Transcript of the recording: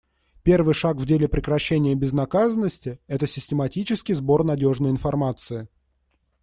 Первый шаг в деле прекращения безнаказанности — это систематический сбор надежной информации.